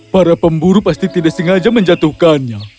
para pemburu pasti tidak sengaja menjatuhkannya